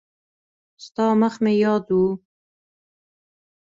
ستا مخ مې یاد و.